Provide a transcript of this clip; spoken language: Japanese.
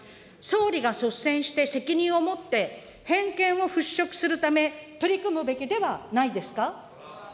総理が率先して責任を持って、偏見を払拭するため取り組むべきではないですか。